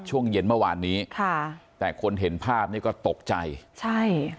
ช่วงเย็นเมื่อวานนี้ค่ะแต่คนเห็นภาพนี้ก็ตกใจใช่